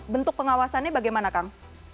bentuk pengawasannya bagaimana kang